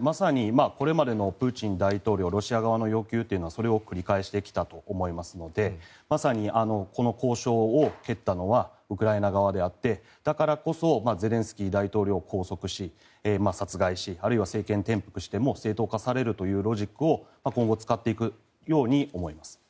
まさにこれまでのプーチン大統領ロシア側の要求というのはそれを繰り返してきたと思いますのでまさにこの交渉を蹴ったのはウクライナ側であってだからこそゼレンスキー大統領を拘束し殺害しあるいは政権転覆しても正当化されるというロジックを今後使っていくように思います。